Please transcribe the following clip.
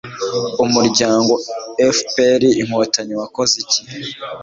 umuryango fpr-inkotanyi wakoze iki